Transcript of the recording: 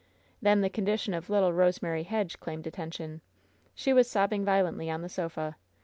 Then the condition of little Rose mary Hedge claimed attention. She was sobbing vio lently on the sofa.